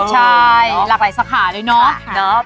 ใช่หลากหลายสาขาเลยเนาะ